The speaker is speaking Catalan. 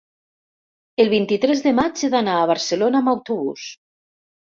el vint-i-tres de maig he d'anar a Barcelona amb autobús.